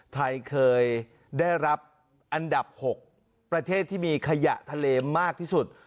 ไทยเคยได้รับอันดับ๖ประเทศที่มีขยะทะเลมากที่สุด